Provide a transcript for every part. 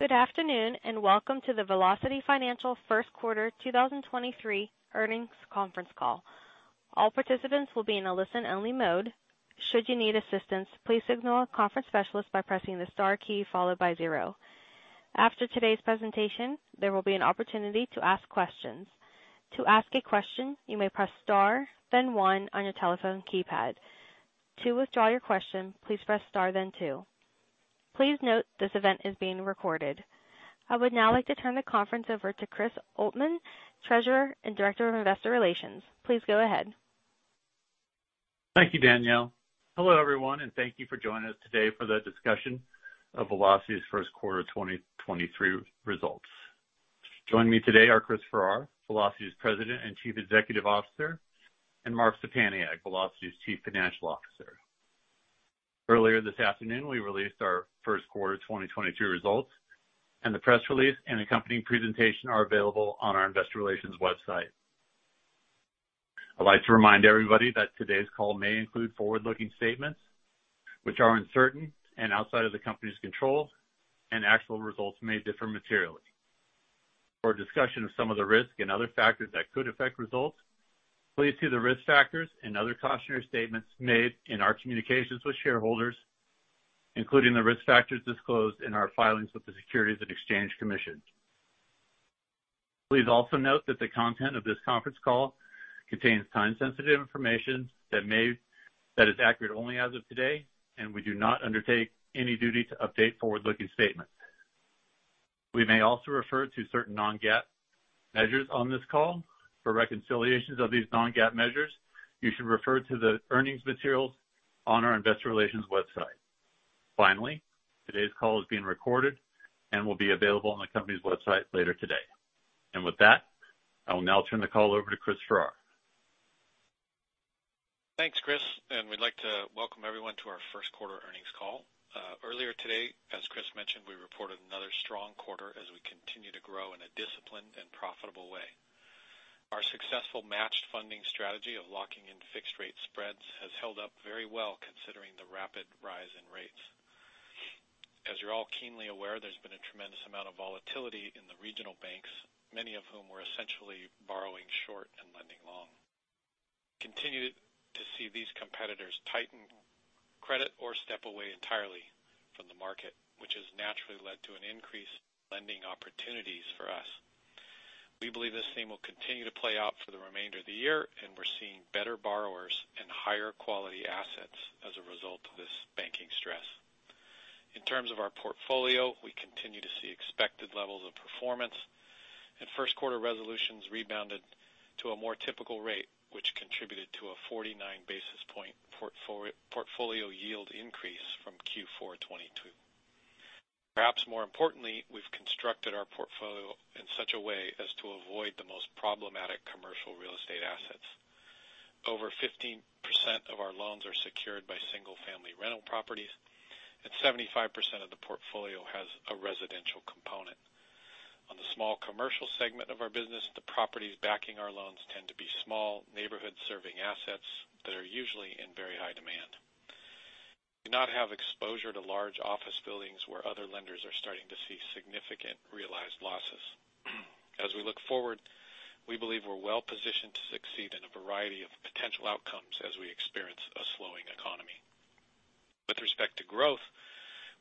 Good afternoon, and welcome to The Velocity Financial First Quarter 2023 Earnings Conference Call. All participants will be in a listen-only mode. Should you need assistance, please signal a conference specialist by pressing the star key followed by zero. After today's presentation, there will be an opportunity to ask questions. To ask a question, you may press Star, then one on your telephone keypad. To withdraw your question, please press Star then two. Please note this event is being recorded. I would now like to turn the conference over to Chris Oltmann, Treasurer and Director of Investor Relations. Please go ahead. Thank you, Danielle. Hello, everyone, thank you for joining us today for the discussion of Velocity's first quarter 2023 results. Joining me today are Chris Farrar, Velocity's President and Chief Executive Officer, and Mark Szczepaniak, Velocity's Chief Financial Officer. Earlier this afternoon, we released our first quarter 2022 results, the press release and accompanying presentation are available on our investor relations website. I'd like to remind everybody that today's call may include forward-looking statements which are uncertain and outside of the company's control, actual results may differ materially. For a discussion of some of the risks and other factors that could affect results, please see the risk factors and other cautionary statements made in our communications with shareholders, including the risk factors disclosed in our filings with the Securities and Exchange Commission. Please also note that the content of this conference call contains time-sensitive information that is accurate only as of today, and we do not undertake any duty to update forward-looking statements. We may also refer to certain non-GAAP measures on this call. For reconciliations of these non-GAAP measures, you should refer to the earnings materials on our investor relations website. Finally, today's call is being recorded and will be available on the company's website later today. With that, I will now turn the call over to Chris Farrar. Thanks, Chris. We'd like to welcome everyone to our first quarter earnings call. Earlier today, as Chris mentioned, we reported another strong quarter as we continue to grow in a disciplined and profitable way. Our successful matched funding strategy of locking in fixed rate spreads has held up very well considering the rapid rise in rates. As you're all keenly aware, there's been a tremendous amount of volatility in the regional banks, many of whom were essentially borrowing short and lending long. Continue to see these competitors tighten credit or step away entirely from the market, which has naturally led to an increase in lending opportunities for us. We believe this theme will continue to play out for the remainder of the year, and we're seeing better borrowers and higher quality assets as a result of this banking stress. In terms of our portfolio, we continue to see expected levels of performance. First quarter resolutions rebounded to a more typical rate, which contributed to a 49 basis point portfolio yield increase from Q4 2022. Perhaps more importantly, we've constructed our portfolio in such a way as to avoid the most problematic commercial real estate assets. Over 15% of our loans are secured by single-family rental properties, and 75% of the portfolio has a residential component. On the small commercial segment of our business, the properties backing our loans tend to be small, neighborhood-serving assets that are usually in very high demand. We do not have exposure to large office buildings where other lenders are starting to see significant realized losses. As we look forward, we believe we're well positioned to succeed in a variety of potential outcomes as we experience a slowing economy. With respect to growth,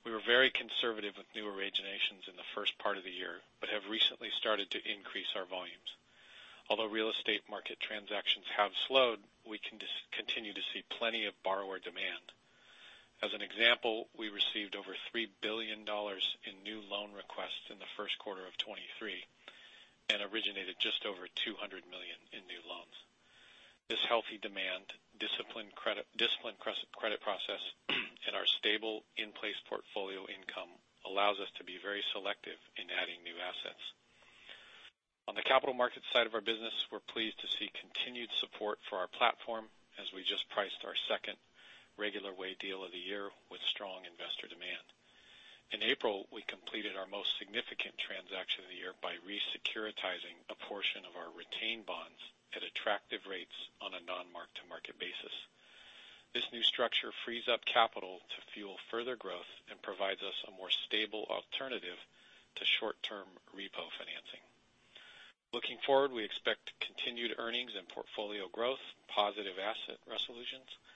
we were very conservative with new originations in the first part of the year. Have recently started to increase our volumes. Although real estate market transactions have slowed, we can continue to see plenty of borrower demand. As an example, we received over $3 billion in new loan requests in the first quarter of 2023 and originated just over $200 million in new loans. This healthy demand, disciplined credit, disciplined credit process, and our stable in-place portfolio income allows us to be very selective in adding new assets. On the capital markets side of our business, we're pleased to see continued support for our platform as we just priced our second regular way deal of the year with strong investor demand. In April, we completed our most significant transaction of the year by re-securitizing a portion of our retained bonds at attractive rates on a non-mark-to-market basis. This new structure frees up capital to fuel further growth and provides us a more stable alternative to short-term repo financing. Looking forward, we expect continued earnings and portfolio growth, positive asset resolutions, and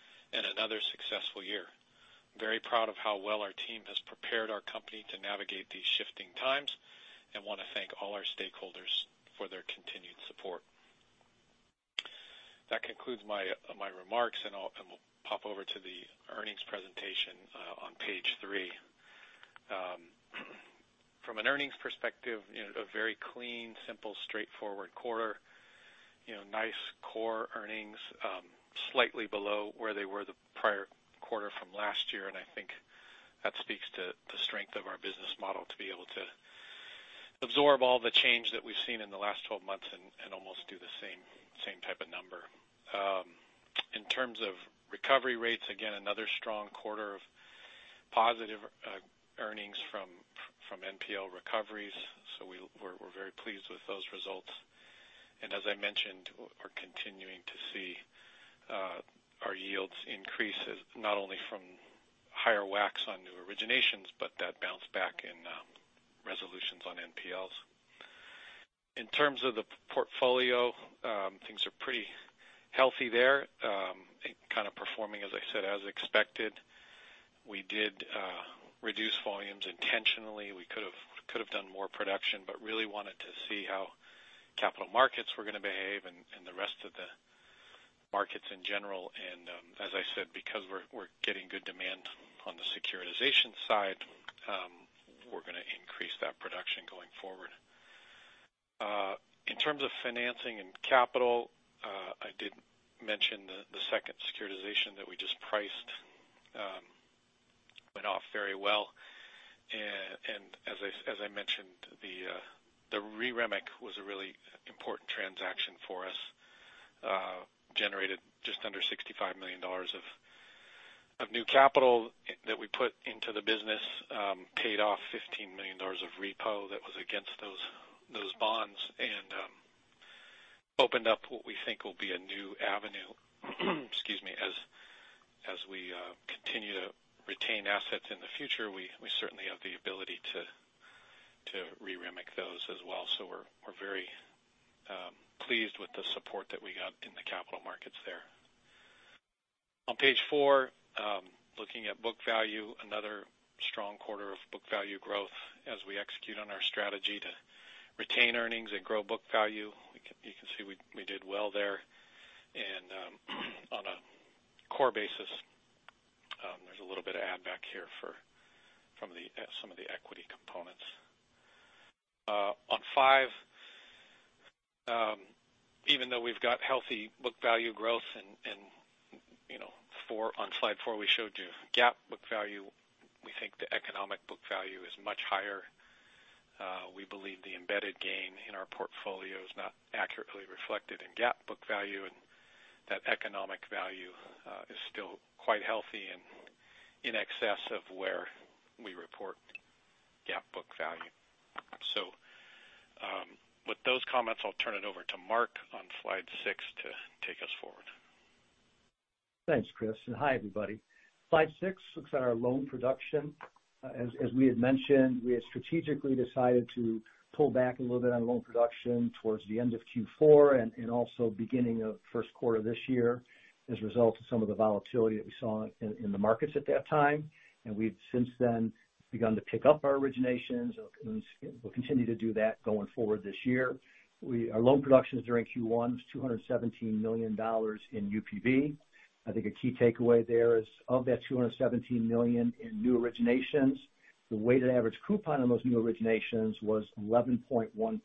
another successful year. I'm very proud of how well our team has prepared our company to navigate these shifting times and want to thank all our stakeholders for their continued support. That concludes my remarks, and we'll pop over to the earnings presentation on page three. From an earnings perspective, you know, a very clean, simple, straightforward quarter. You know, nice core earnings, slightly below where they were the prior quarter from last year. I think that speaks to the strength of our business model to be able to absorb all the change that we've seen in the last 12 months and almost do the same type of number. In terms of recovery rates, again, another strong quarter of positive earnings from NPL recoveries. We're very pleased with those results. As I mentioned, we're continuing to see our yields increase as not only from higher WACs on new originations, but that bounce back in resolutions on NPLs. In terms of the portfolio, things are pretty healthy there. Kind of performing, as I said, as expected. We did reduce volumes intentionally. We could have done more production, but really wanted to see how capital markets were gonna behave and the rest of the markets in general. As I said, because we're getting good demand on the securitization side, we're gonna increase that production going forward. In terms of financing and capital, I did mention the second securitization that we just priced, went off very well. As I mentioned, the re-REMIC was a really important transaction for us. Generated just under $65 million of new capital that we put into the business. Paid off $15 million of repo that was against those bonds and opened up what we think will be a new avenue, excuse me. As we continue to retain assets in the future, we certainly have the ability to re-REMIC those as well. We're very pleased with the support that we got in the capital markets there. On page four, looking at book value, another strong quarter of book value growth as we execute on our strategy to retain earnings and grow book value. You can see we did well there. On a core basis, there's a little bit of add back here from some of the equity components. On five, even though we've got healthy book value growth and, you know, on slide four, we showed you GAAP book value. We think the economic book value is much higher. We believe the embedded gain in our portfolio is not accurately reflected in GAAP book value, and that economic value is still quite healthy and in excess of where we report GAAP book value. With those comments, I'll turn it over to Mark on slide six to take us forward. Thanks, Chris. Hi, everybody. Slide six looks at our loan production. As we had mentioned, we had strategically decided to pull back a little bit on loan production towards the end of Q4 and also beginning of first quarter this year as a result of some of the volatility that we saw in the markets at that time. We've since then begun to pick up our originations and we'll continue to do that going forward this year. Our loan production during Q1 was $217 million in UPB. I think a key takeaway there is of that $217 million in new originations, the weighted average coupon on those new originations was 11.1%.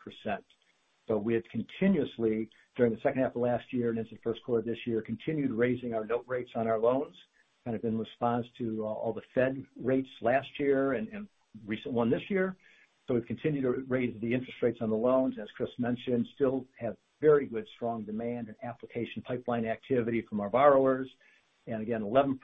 We have continuously, during the second half of last year and into the first quarter of this year, continued raising our note rates on our loans, kind of in response to all the Fed rates last year and recent one this year. We've continued to raise the interest rates on the loans. As Chris mentioned, still have very good strong demand and application pipeline activity from our borrowers. Again, 11%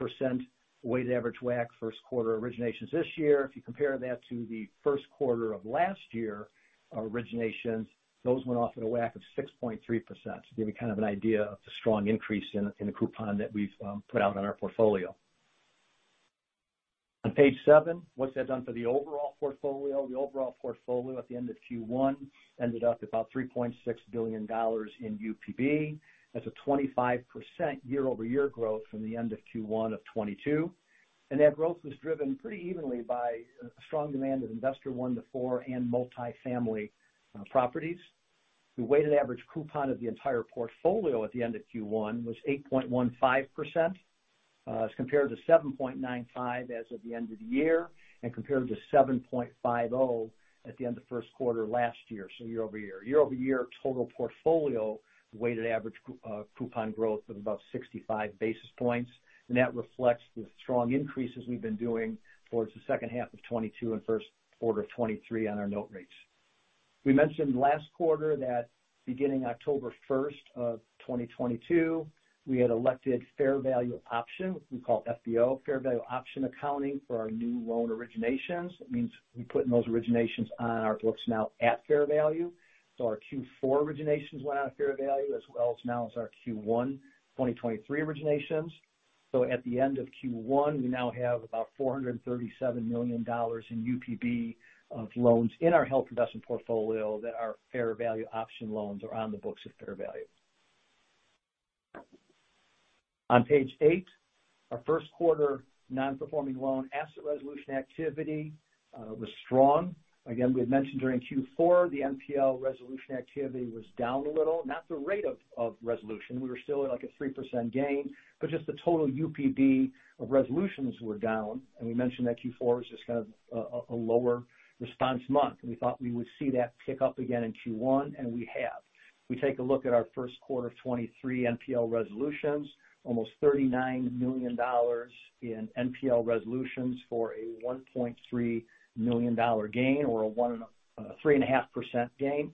weighted average WAC first quarter originations this year. If you compare that to the first quarter of last year, our originations, those went off at a WAC of 6.3%. To give you kind of an idea of the strong increase in the coupon that we've put out on our portfolio. On page seven, what's that done for the overall portfolio? The overall portfolio at the end of Q1 ended up about $3.6 billion in UPB. That's a 25% year-over-year growth from the end of Q1 of 2022. That growth was driven pretty evenly by strong demand of Investor one to four and multifamily properties. The weighted average coupon of the entire portfolio at the end of Q1 was 8.15%, as compared to 7.95% as of the end of the year, and compared to 7.50% at the end of first quarter last year-over-year. Year-over-year total portfolio weighted average coupon growth of about 65 basis points. That reflects the strong increases we've been doing towards the second half of 2022 and first quarter of 2023 on our note rates. We mentioned last quarter that beginning October 1st, 2022, we had elected fair value option, what we call FVO, fair value option accounting for our new loan originations. That means we put those originations on our books now at fair value. Our Q4 originations went on fair value as well as now as our Q1 2023 originations. At the end of Q1, we now have about $437 million in UPB of loans in our held for investment portfolio that are fair value option loans or on the books at fair value. On page eight, our first quarter non-performing loan asset resolution activity was strong. Again, we had mentioned during Q4, the NPL resolution activity was down a little, not the rate of resolution. We were still at, like, a 3% gain, but just the total UPB of resolutions were down. We mentioned that Q4 was just kind of a lower response month. We thought we would see that pick up again in Q1, and we have. If we take a look at our first quarter 2023 NPL resolutions, almost $39 million in NPL resolutions for a $1.3 million gain or a 3.5% gain.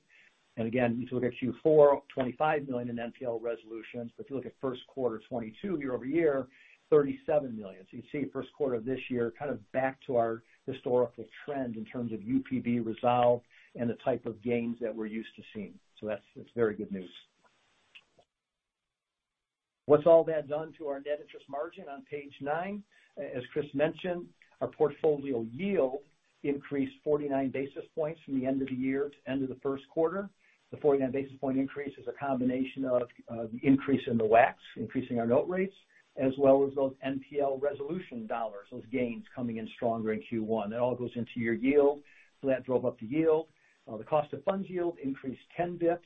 Again, you can look at Q4, $25 million in NPL resolutions. If you look at first quarter 2022 year-over-year, $37 million. You can see first quarter of this year kind of back to our historical trend in terms of UPB resolve and the type of gains that we're used to seeing. That's very good news. What's all that done to our net interest margin on page 9? As Chris mentioned, our portfolio yield increased 49 basis points from the end of the year to end of the first quarter. The 49 basis point increase is a combination of the increase in the WACs, increasing our note rates, as well as those NPL resolution dollars, those gains coming in stronger in Q1. That all goes into your yield, so that drove up the yield. The cost of funds yield increased 10 basis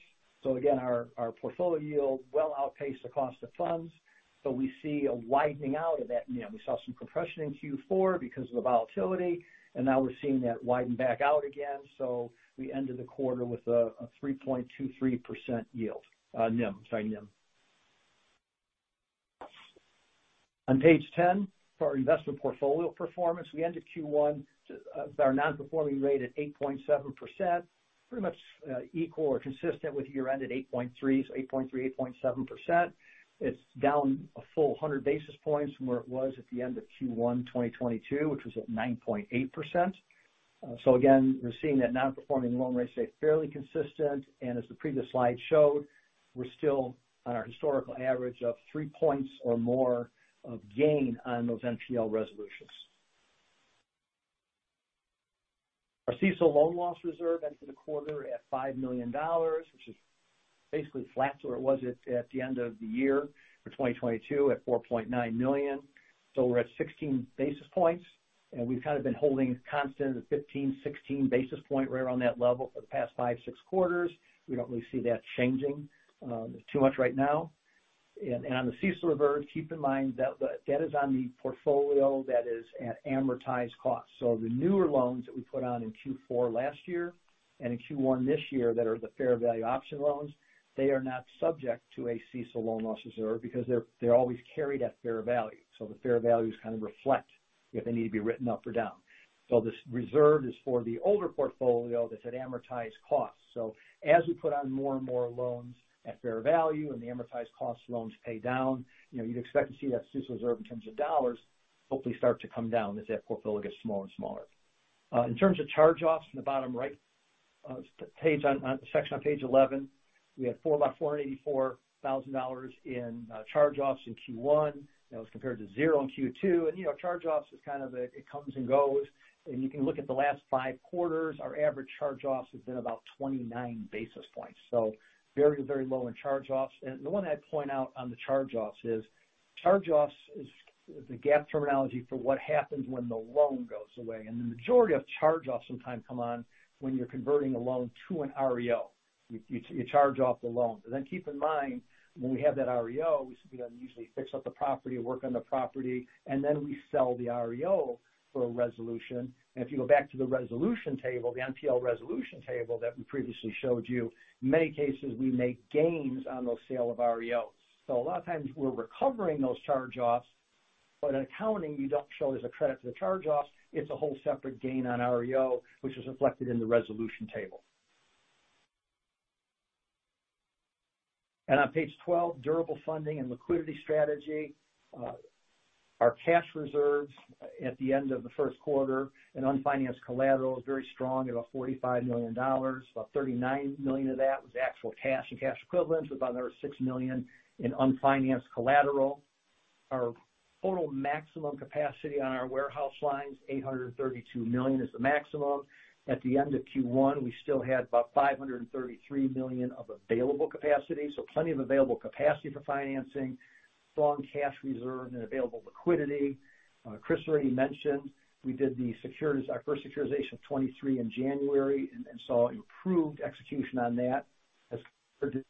points. Again, our portfolio yield well outpaced the cost of funds. We see a widening out of that NIM. We saw some compression in Q4 because of the volatility, and now we're seeing that widen back out again. We ended the quarter with a 3.23% yield, NIM. Sorry, NIM. On page 10, for our investment portfolio performance, we ended Q1 with our non-performing rate at 8.7%, pretty much equal or consistent with year-end at 8.3%. 8.3%, 8.7%. It's down a 100 basis points from where it was at the end of Q1 2022, which was at 9.8%. Again, we're seeing that non-performing loan rates stay fairly consistent, and as the previous slide showed, we're still on our historical average of three points or more of gain on those NPL resolutions. Our CECL loan loss reserve ended the quarter at $5 million, which is basically flat to where it was at the end of the year for 2022 at $4.9 million. We're at 16 basis points, and we've kind of been holding constant at 15, 16 basis point right around that level for the past five, six quarters. We don't really see that changing too much right now. On the CECL reserve, keep in mind that is on the portfolio that is at amortized cost. The newer loans that we put on in Q4 last year and in Q1 this year that are the fair value option loans, they are not subject to a CECL loan loss reserve because they're always carried at fair value. The fair values kind of reflect if they need to be written up or down. This reserve is for the older portfolio that's at amortized cost. As we put on more and more loans at fair value and the amortized cost loans pay down, you know, you'd expect to see that CECL reserve in terms of dollars hopefully start to come down as that portfolio gets smaller and smaller. In terms of charge-offs in the bottom right page on the section on page 11, we had about $484,000 in charge-offs in Q1. That was compared to zero in Q2. You know, charge-offs is kind of a, it comes and goes. You can look at the last five quarters, our average charge-offs has been about 29 basis points. Very, very low in charge-offs. And the one I'd point out on the charge-offs is charge-offs is the GAAP terminology for what happens when the loan goes away. The majority of charge-offs sometimes come on when you're converting a loan to an REO. You charge off the loan. Keep in mind, when we have that REO, we then usually fix up the property and work on the property, and then we sell the REO for a resolution. If you go back to the resolution table, the NPL resolution table that we previously showed you, in many cases, we make gains on those sale of REOs. A lot of times we're recovering those charge-offs, but in accounting, you don't show it as a credit to the charge-offs. It's a whole separate gain on REO, which is reflected in the resolution table. On page 12, durable funding and liquidity strategy. Our cash reserves at the end of the first quarter in unfinanced collateral is very strong at about $45 million. About $39 million of that was actual cash and cash equivalents, with another $6 million in unfinanced collateral. Our total maximum capacity on our warehouse lines, $832 million is the maximum. At the end of Q1, we still had about $533 million of available capacity, so plenty of available capacity for financing, strong cash reserve and available liquidity. Chris already mentioned we did the securities, our first securitization of 2023 in January and saw improved execution on that as compared to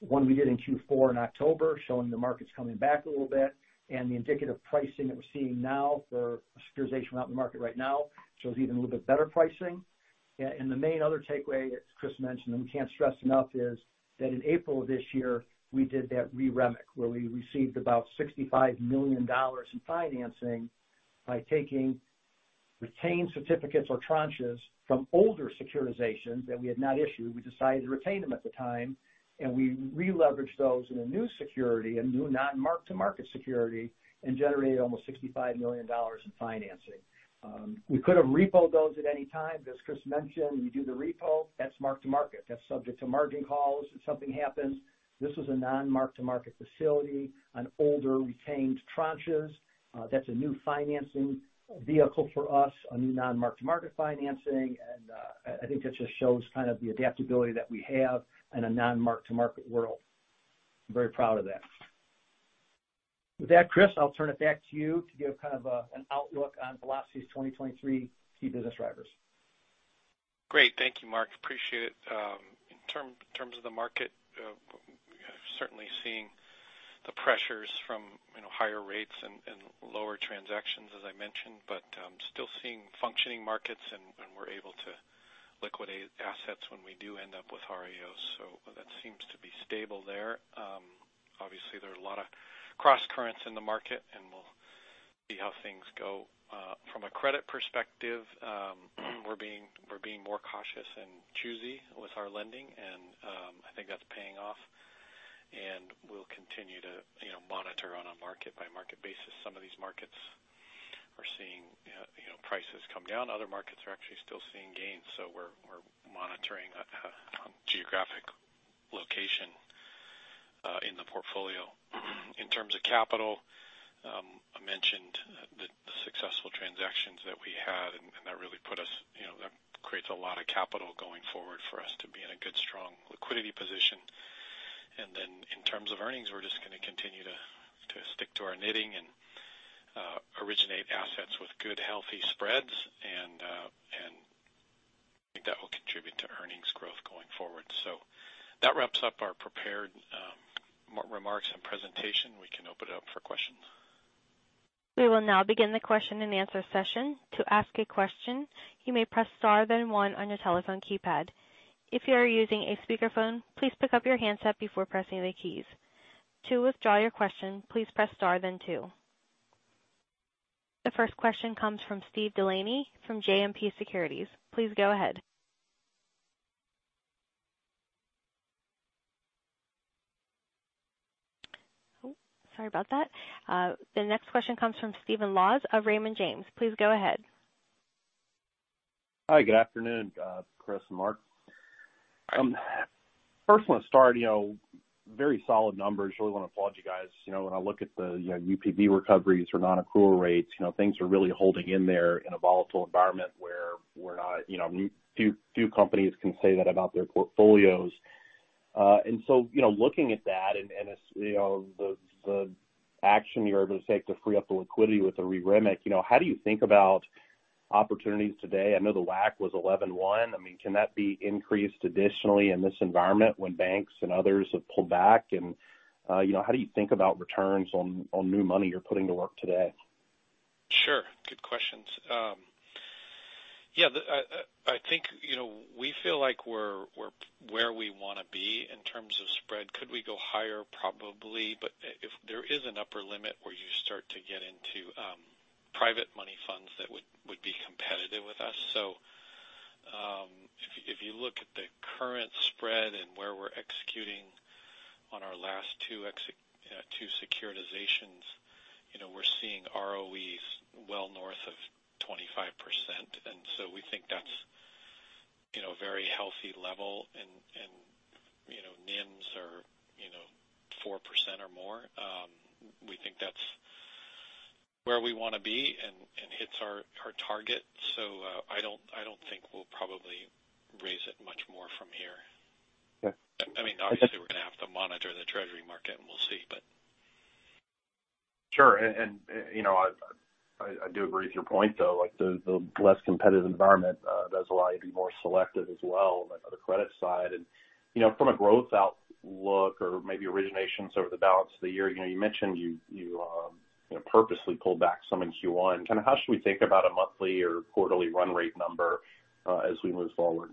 the one we did in Q4 in October, showing the market's coming back a little bit. The indicative pricing that we're seeing now for securitization we're out in the market right now shows even a little bit better pricing. The main other takeaway, as Chris mentioned, and we can't stress enough, is that in April this year, we did that re-REMIC, where we received about $65 million in financing by taking retained certificates or tranches from older securitizations that we had not issued. We decided to retain them at the time, and we re-leveraged those in a new security, a new non-mark-to-market security, and generated almost $65 million in financing. We could have repoed those at any time. As Chris mentioned, when you do the repo, that's mark-to-market. That's subject to margin calls if something happens. This was a non-mark-to-market facility on older retained tranches. That's a new financing vehicle for us, a new non-mark-to-market financing. I think that just shows kind of the adaptability that we have in a non-mark-to-market world. I'm very proud of that. With that, Chris, I'll turn it back to you to give kind of an outlook on Velocity's 2023 key business drivers. Great. Thank you, Mark. Appreciate it. Terms of the market, we're certainly seeing the pressures from, you know, higher rates and lower transactions, as I mentioned. Still seeing functioning markets and we're able to liquidate assets when we do end up with REOs. That seems to be stable there. Obviously there are a lot of crosscurrents in the market, and we'll see how things go. From a credit perspective, we're being more cautious and choosy with our lending, and I think that's paying off. We'll continue to, you know, monitor on a market-by-market basis some of these markets. We're seeing, you know, prices come down. Other markets are actually still seeing gains. We're monitoring geographic location in the portfolio. In terms of capital, I mentioned the successful transactions that we had, and that really put us, you know, that creates a lot of capital going forward for us to be in a good, strong liquidity position. Then in terms of earnings, we're just gonna continue to stick to our knitting and originate assets with good, healthy spreads. I think that will contribute to earnings growth going forward. That wraps up our prepared remarks and presentation. We can open it up for questions. We will now begin the question-and-answer session. To ask a question, you may press Star, then one on your telephone keypad. If you are using a speakerphone, please pick up your handset before pressing the keys. To withdraw your question, please press Star then two. The first question comes from Steve DeLaney from JMP Securities. Please go ahead. Oh, sorry about that. The next question comes from Stephen Laws of Raymond James. Please go ahead. Hi. Good afternoon, Chris and Mark. First want to start, you know, very solid numbers. Really want to applaud you guys. You know, when I look at the, you know, UPB recoveries or non-accrual rates, you know, things are really holding in there in a volatile environment where we're not, you know, few companies can say that about their portfolios. So, you know, looking at that and it's, you know, the action you're able to take to free up the liquidity with the re-REMIC, you know, how do you think about opportunities today? I know the WACC was 11.1%. I mean, can that be increased additionally in this environment when banks and others have pulled back? You know, how do you think about returns on new money you're putting to work today? Sure. Good questions. Yeah, you know, we feel like we're where we wanna be in terms of spread. Could we go higher? Probably. If there is an upper limit where you start to get into, private money funds that would be competitive with us. If you look at the current spread and where we're executing on our last two securitizations, you know, we're seeing ROEs well north of 25%. We think that's, you know, a very healthy level. NIMs are, you know, 4% or more. We think that's where we wanna be and hits our target. I don't think we'll probably raise it much more from here. Yeah. I mean, obviously we're gonna have to monitor the Treasury market, and we'll see, but. Sure. You know, I do agree with your point, though. Like, the less competitive environment does allow you to be more selective as well on the credit side. You know, from a growth outlook or maybe originations over the balance of the year, you know, you mentioned you know, purposely pulled back some in Q1. How should we think about a monthly or quarterly run rate number as we move forward?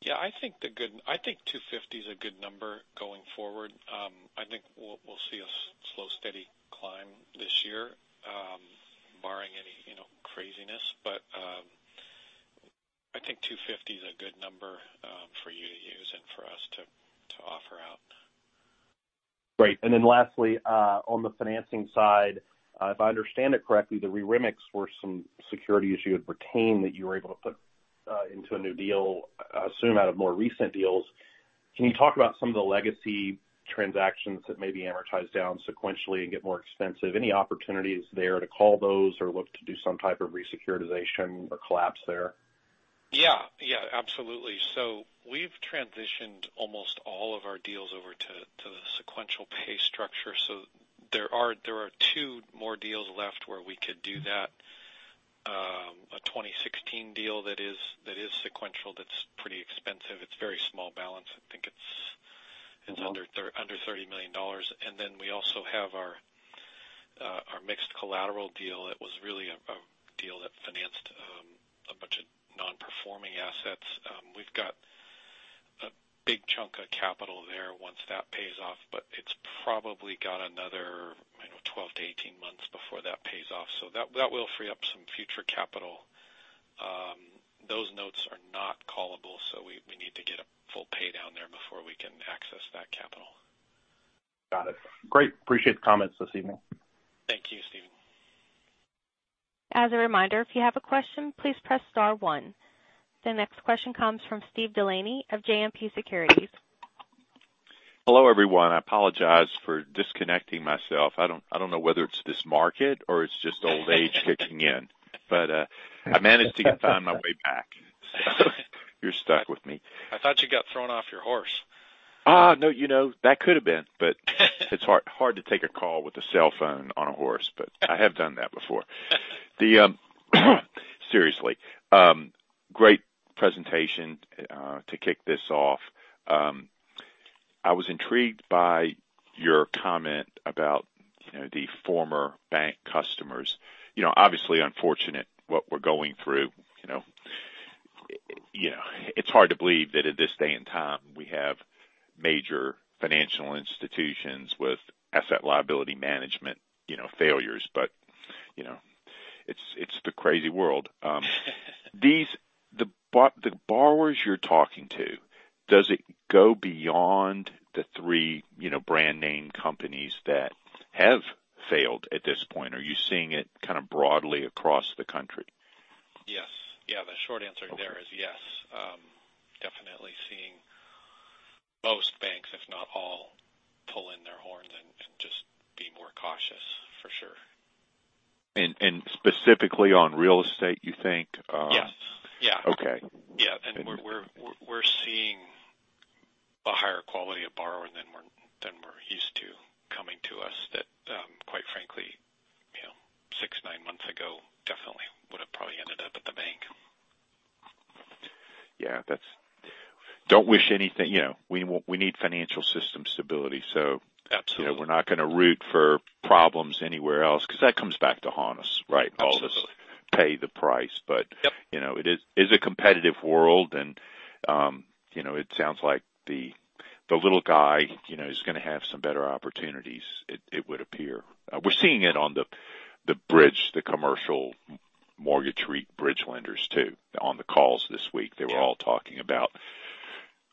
Yeah. I think 250 is a good number going forward. I think we'll see a slow, steady climb this year, barring any, you know, craziness. I think 250 is a good number for you to use and for us to offer out. Great. Lastly, on the financing side, if I understand it correctly, the re-REMICs were some securities you had retained that you were able to put into a new deal, assume out of more recent deals. Can you talk about some of the legacy transactions that may be amortized down sequentially and get more expensive? Any opportunities there to call those or look to do some type of re-securitization or collapse there? Absolutely. We've transitioned almost all of our deals over to the sequential pay structure. There are two more deals left where we could do that. A 2016 deal that is sequential that's pretty expensive. It's very small balance. I think it's under $30 million. We also have our mixed collateral deal that was really a deal that financed a bunch of non-performing assets. We've got a big chunk of capital there once that pays off, but it's probably got another, I don't know, 12 to 18 months before that pays off. That will free up some future capital. Those notes are not callable, we need to get a full pay down there before we can access that capital. Got it. Great. Appreciate the comments this evening. Thank you, Stephen. As a reminder, if you have a question, please press star one. The next question comes from Steve DeLaney of JMP Securities. Hello, everyone. I apologize for disconnecting myself. I don't know whether it's this market or it's just old age kicking in. I managed to find my way back. You're stuck with me. I thought you got thrown off your horse. No. You know, that could have been, but it's hard to take a call with a cell phone on a horse, but I have done that before. Seriously, great presentation to kick this off. I was intrigued by your comment about, you know, the former bank customers. You know, obviously unfortunate what we're going through, you know. You know, it's hard to believe that at this day and time, we have major financial institutions with asset liability management, you know, failures. You know, it's the crazy world. The borrowers you're talking to, does it go beyond the three, you know, brand name companies that have failed at this point? Are you seeing it kind of broadly across the country? Yes. Yeah, the short answer there is yes. Definitely seeing most banks, if not all, pull in their horns and just be more cautious for sure. Specifically on real estate, you think? Yes. Yeah. Okay. Yeah. We're seeing a higher quality of borrower than we're used to coming to us that, quite frankly, you know, six, nine months ago definitely would have probably ended up at the bank. Yeah, Don't wish anything, you know, we need financial system stability. Absolutely. You know, we're not gonna root for problems anywhere else because that comes back to haunt us, right? Absolutely. Plus pay the price. Yep. You know, it is a competitive world and, you know, it sounds like the little guy, you know, is gonna have some better opportunities, it would appear. We're seeing it on the bridge, the commercial mortgage bridge lenders too. On the calls this week, they were all talking about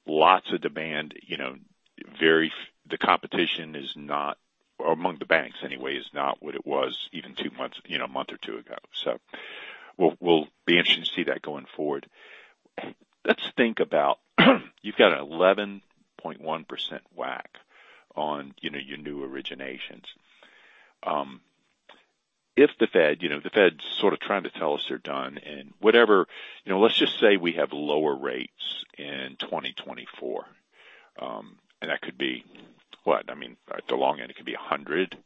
lots of demand, you know, the competition is not, or among the banks anyway, is not what it was even two months, a month or two ago. We'll be interested to see that going forward. Let's think about, you've got 11.1% WACC on your new originations. If the Fed's sort of trying to tell us they're done and whatever. You know, let's just say we have lower rates in 2024, and that could be what? I mean, at the long end, it could be 100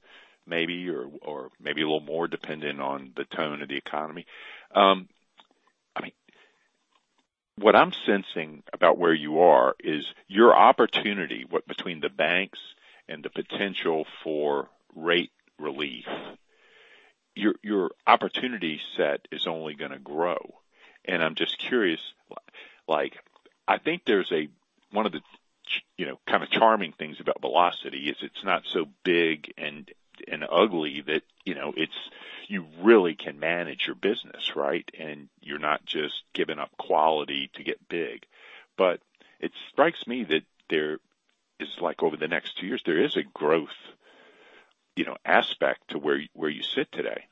maybe, or maybe a little more dependent on the tone of the economy. I mean, what I'm sensing about where you are is your opportunity, what between the banks and the potential for rate relief, your opportunity set is only gonna grow. I'm just curious, like, I think there's one of the, you know, kind of charming things about Velocity is it's not so big and ugly that, you know, you really can manage your business, right? You're not just giving up quality to get big. It strikes me that there is like over the next two years, there is a growth, you know, aspect to where you sit today.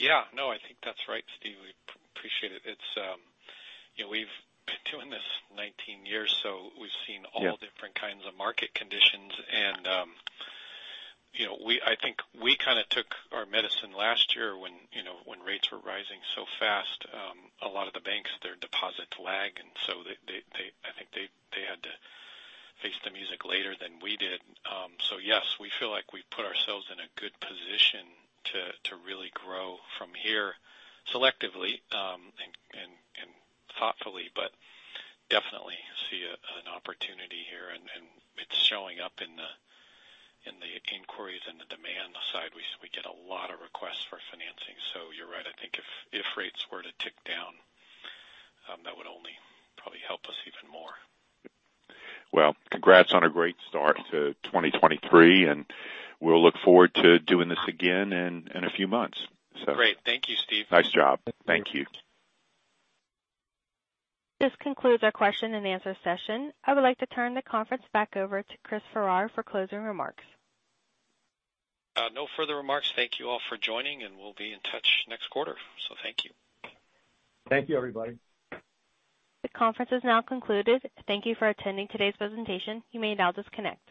Yeah. No, I think that's right, Steve. We appreciate it. It's. You know, we've been doing this 19 years, so we've seen all different kinds of market conditions. You know, I think we kinda took our medicine last year when, you know, when rates were rising so fast, a lot of the banks, their deposits lag, and so they, I think they had to face the music later than we did. Yes, we feel like we've put ourselves in a good position to really grow from here selectively, and thoughtfully, but definitely see an opportunity here, and it's showing up in the inquiries and the demand side. We get a lot of requests for financing. You're right. I think if rates were to tick down, that would only probably help us even more. Well, congrats on a great start to 2023, and we'll look forward to doing this again in a few months, so. Great. Thank you, Steve. Nice job. Thank you. This concludes our question and answer session. I would like to turn the conference back over to Chris Farrar for closing remarks. No further remarks. Thank you all for joining, and we'll be in touch next quarter. Thank you. Thank you, everybody. The conference is now concluded. Thank you for attending today's presentation. You may now disconnect.